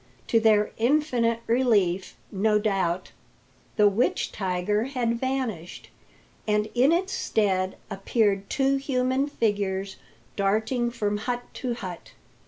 To their infinite relief, no doubt, the witch tiger had vanished, and in its stead appeared two human figures darting from hut to hut.